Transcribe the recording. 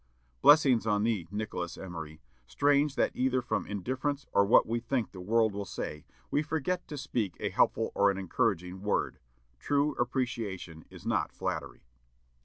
Blessings on thee, Nicholas Emery! Strange that either from indifference, or what we think the world will say, we forget to speak a helpful or an encouraging word. True appreciation is not flattery.